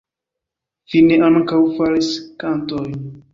Finne ankaŭ faris kantojn.